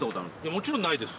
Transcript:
もちろんないです。